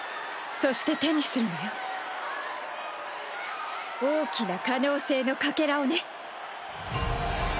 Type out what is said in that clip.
そして手にするのよ大きな可能性のかけらをね。